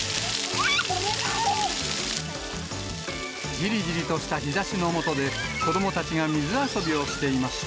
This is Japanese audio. じりじりとした日ざしの下で、子どもたちが水遊びをしていました。